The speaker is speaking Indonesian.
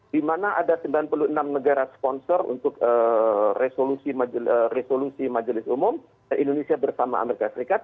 di mana ada sembilan puluh enam negara sponsor untuk resolusi majelis umum indonesia bersama amerika serikat